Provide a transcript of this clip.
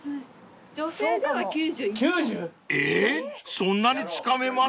そんなにつかめます？］